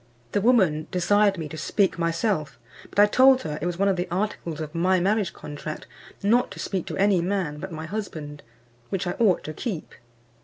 The woman desired me to speak myself; but I told her it was one of the articles of my marriage contract not to speak to any man but my husband, which I ought to keep.